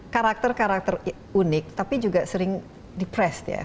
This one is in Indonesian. karakter karakter unik tapi juga sering depressed ya